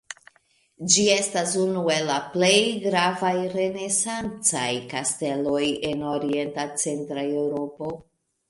Ĝi estas unu el la plej gravaj renesancaj kasteloj en orienta centra Eŭropo.